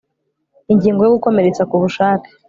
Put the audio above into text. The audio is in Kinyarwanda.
ingingo yo gukomeretsa ku bushake